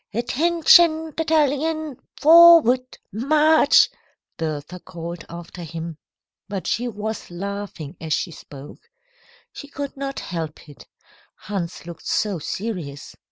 "Attention, battalion! Forward, march!" Bertha called after him. But she was laughing as she spoke. She could not help it, Hans looked so serious.